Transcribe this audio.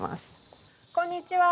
こんにちは。